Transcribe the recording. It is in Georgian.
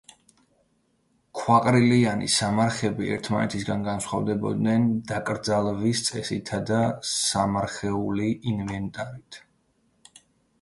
ქვაყრილიანი სამარხები ერთმანეთისაგან განსხვავდებოდნენ დაკრძალვის წესითა და სამარხეული ინვენტარით.